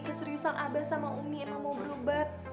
keseriusan abah sama umi emang mau berubat